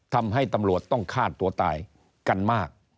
ทำให้ตำรวจต้องฆ่าตัวตายกันมาก